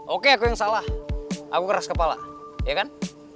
oke aku yang salah aku keras kepala ya kan